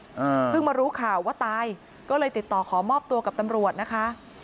อ่าเพิ่งมารู้ข่าวว่าตายก็เลยติดต่อขอมอบตัวกับตำรวจนะคะ